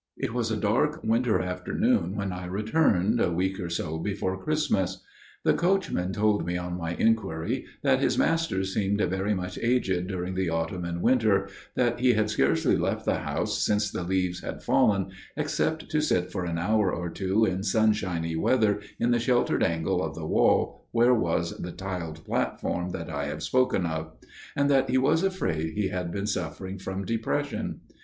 It was a dark winter afternoon when I returned, a week or so before Christmas. The coachman told me on my inquiry that his master seemed very much aged during the autumn and winter, that he had scarcely left the house since the leaves had fallen, except to sit for an hour or two in sunshiny weather in the sheltered angle of the wall where was the tiled platform that I have spoken of; and that he was afraid he had been suffering from depression.